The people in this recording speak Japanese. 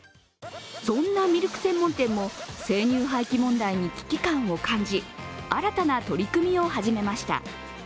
そんなミルク専門店も生乳廃棄問題に危機感を感じ新たな取り組みを始めました。